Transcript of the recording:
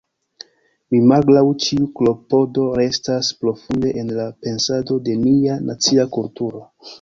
Mi malgraŭ ĉiu klopodo restas profunde en la pensado de nia nacia kulturo.